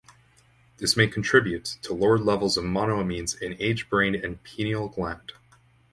This may contribute to lowered levels of monoamines in aged brain and pineal gland.